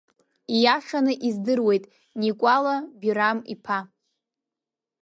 Ииашан издыруеит, Никәала Бирам-иԥа.